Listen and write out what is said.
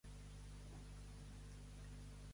Faci's la teva voluntat.